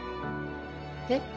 えっ？